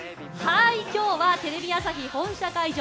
今日はテレビ朝日本社会場